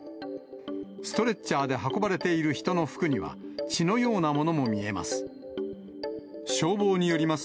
ストレッチャーで運ばれている人の服には、血のようなものも見えます。